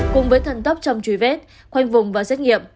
cùng với thần tốc trong truy vết khoanh vùng và xét nghiệm